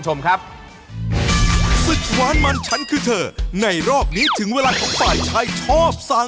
สะป่าวสะตังนี่จะแพงจะถูกมันอยู่ที่ใจ